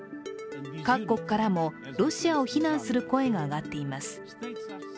各国からもロシアを非難する声が上がっています。